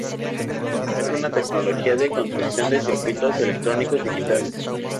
Es una tecnología de construcción de circuitos electrónicos digitales.